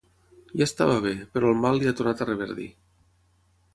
Ja estava bé, però el mal li ha tornat a reverdir.